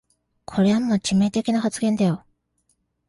これはもう致命的な発言だよ